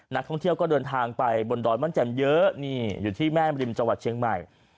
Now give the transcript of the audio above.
นักท่องเที่ยวก็เดินทางไปบนดอยม่อนแจ่มเยอะนี่อยู่ที่แม่มริมจังหวัดเชียงใหม่